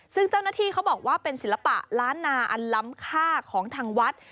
ซึ่งเจ้าหน้าที่เขาบอกว่าเป็นศิลปะล้านนาอันล้ำค่าของทางวัด